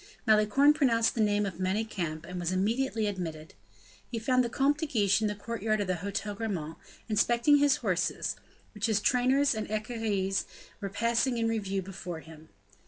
Malicorne pronounced the name of Manicamp, and was immediately admitted. He found the Comte de Guiche in the courtyard of the Hotel Grammont, inspecting his horses, which his trainers and equerries were passing in review before him.